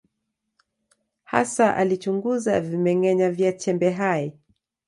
Hasa alichunguza vimeng’enya vya chembe hai.